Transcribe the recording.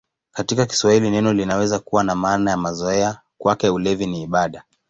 Katika Kiswahili neno linaweza kuwa na maana ya mazoea: "Kwake ulevi ni ibada".